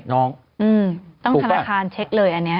น้องต้องธนาคารเช็คเลยอันนี้